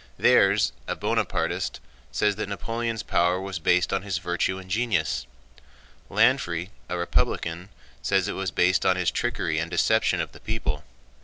Thiers, a Bonapartist, says that Napoleon's power was based on his virtue and genius. Lanfrey, a Republican, says it was based on his trickery and deception of the people.